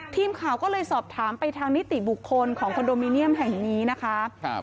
ทีมข่าวก็เลยสอบถามไปทางนิติบุคคลของคอนโดมิเนียมแห่งนี้นะคะครับ